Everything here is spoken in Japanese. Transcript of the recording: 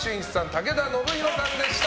武田修宏さんでした。